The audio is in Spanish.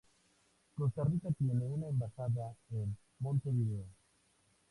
Costa Rica tiene una embajada en Montevideo.